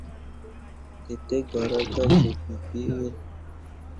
Dǝǝ tǝ gara ka zuu bii pǝ elle.